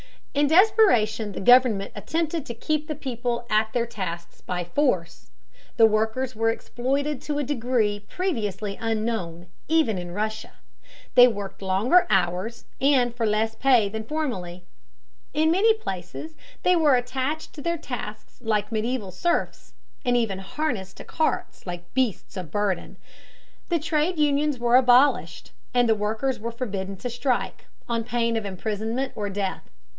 In desperation the government attempted to keep the people at their tasks by force. The workers were exploited to a degree previously unknown, even in Russia. They worked longer hours and for less pay than formerly. In many places they were attached to their tasks like medieval serfs, and even harnessed to carts like beasts of burden. The trade unions were abolished, and the workers were forbidden to strike, on pain of imprisonment or death.